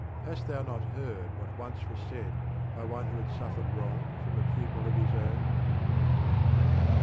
* Hast thou not heard what once was said by one who had suffered wrong from a pupil of his own?